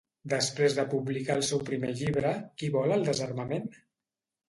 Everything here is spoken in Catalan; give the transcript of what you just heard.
Després de publicar el seu primer llibre, "Qui vol el desarmament?"